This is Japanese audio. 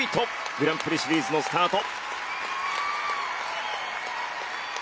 グランプリシリーズのスタート。